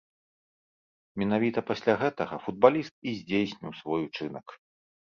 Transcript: Менавіта пасля гэтага футбаліст і здзейсніў свой учынак.